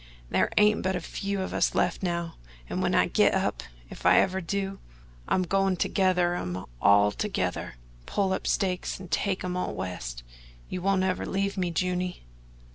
Thar ain't but a few of us left now and when I git up, if I ever do, I'm goin' to gether 'em all together, pull up stakes and take 'em all West. You won't ever leave me, Juny?"